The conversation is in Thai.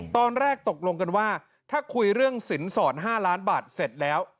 ตอนแรกตกลงกันว่าถ้าคุยเรื่องสินสอด๕ล้านบาทเสร็จแล้ว